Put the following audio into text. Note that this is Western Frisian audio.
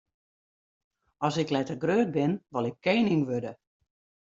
As ik letter grut bin, wol ik kening wurde.